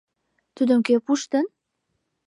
Тудым кӧ пуштын?